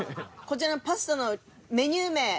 こちらのパスタのメニュー名。